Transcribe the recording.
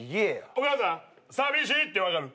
お母さん寂しいって分かる？